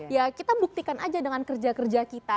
ya kita buktikan aja dengan kerja kerja kita